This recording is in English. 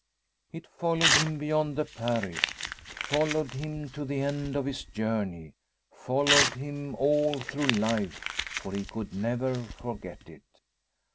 It followed him beyond the parish, followed him to the end of his journey, followed him all through life, for he could never forget it.